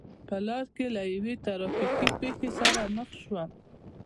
په لار کې له یوې ترا فیکې پېښې سره مخ شوم.